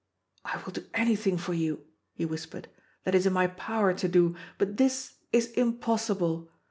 "I will do anything for you," he whispered, "that is in my power to do; but this is impossible.